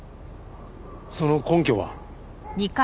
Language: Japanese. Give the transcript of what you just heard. その根拠は？